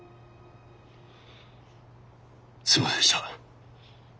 すいませんでした。